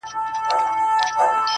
زه به د غم تخم کرم ژوندی به یمه!!